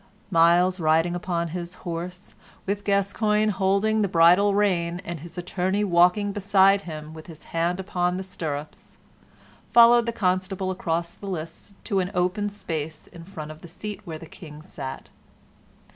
Myles riding upon his horse, with Gascoyne holding the bridle rein, and his attorney walking beside him with his hand upon the stirrups, followed the Constable across the lists to an open space in front of the seat where the King sat.